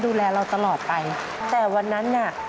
ตื่นขึ้นมาอีกทีตอน๑๐โมงเช้า